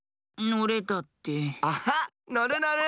のるのる！